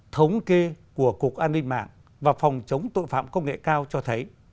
thống kê của cục an ninh mạng và phòng chống tội phạm công nghệ cao cho thấy